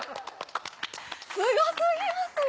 すご過ぎますね！